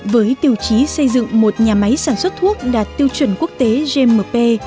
với tiêu chí xây dựng một nhà máy sản xuất thuốc đạt tiêu chuẩn quốc tế gmp